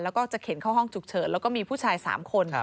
แล้วก็จะเข็นเข้าห้องฉุกเฉินแล้วก็มีผู้ชาย๓คน